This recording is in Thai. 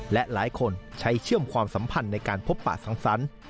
และหลายคนใช้เชื่อมความสัมพันธ์ในการพบป่าสังสรรค์